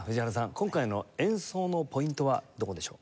今回の演奏のポイントはどこでしょう？